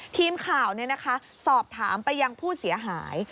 ทีมข่าวสอบถามไปยังผู้เสียหาย